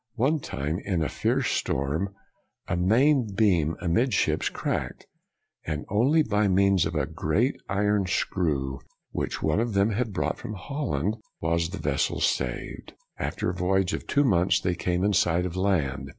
One time, in a fierce storm, 206 BREWSTER a main beam amidships cracked, and only by means of a great iron screw which one of them had brought from Holland was the vessel saved. After a voyage of two months, they came in sight of land.